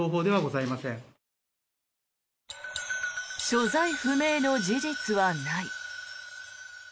所在不明の事実はない。